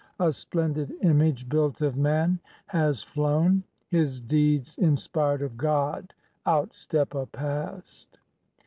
A splendid image built of man has flown; His deeds inspired of God outstep a Past.